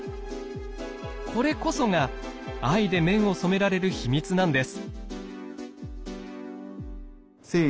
これこそが藍で綿を染められる秘密なんです。